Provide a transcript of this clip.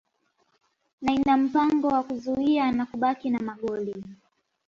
na ina mpango wa kuzuia na kubaki na magoli